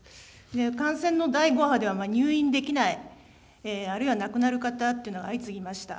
感染の第５波では入院できない、あるいは亡くなる方っていうのが相次ぎました。